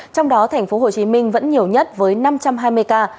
trong đó thành phố hồ chí minh vẫn nhiều nhất với năm trăm hai mươi ca